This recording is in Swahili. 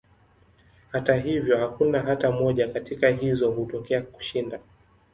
Hata hivyo, hakuna hata moja katika hizo kutokea kushinda.